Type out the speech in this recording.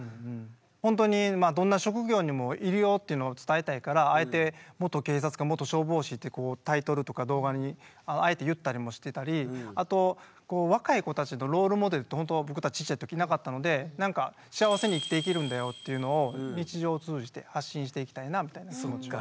ほんとにどんな職業にもいるよっていうのを伝えたいからあえて元警察官・元消防士ってタイトルとか動画にあえて言ったりもしてたりあと若い子たちのロールモデルって僕たちちっちゃいときなかったので「幸せに生きていけるんだよ」っていうのを日常を通じて発信していきたいなみたいな気持ち。